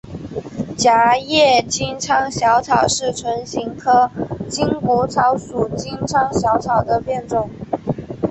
狭叶金疮小草是唇形科筋骨草属金疮小草的变种。